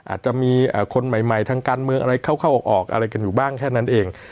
อาจจะมีคนใหม่ทางการเมืองอะไรเข้าออกอะไรกันอยู่บ้างแค่นั้นเอง